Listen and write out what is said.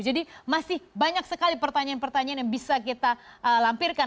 jadi masih banyak sekali pertanyaan pertanyaan yang bisa kita lampirkan